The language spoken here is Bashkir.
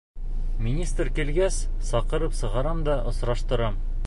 Министр килгәс, саҡырып сығарам да осраштырам.